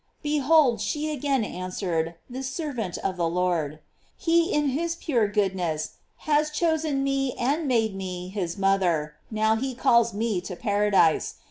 Behold, she again an swered, the servant of the Lord; he in his pure goodness has chosen me and made me his moth er; now he calls me to paradise.